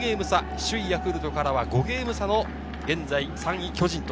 首位・ヤクルトから５ゲーム差の現在３位の巨人。